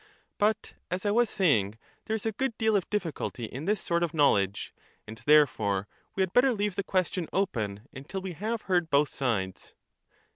But, as I was saying, there is a good deal of difficulty in this sort of know ledge, and therefore we had better leave the question open until we have heard both sides.